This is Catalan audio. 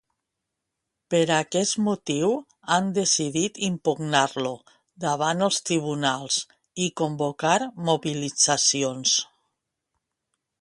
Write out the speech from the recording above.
Per aquest motiu, han decidit impugnar-lo davant els tribunals i convocar mobilitzacions.